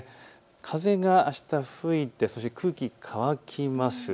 風があした、吹いて空気が乾きます。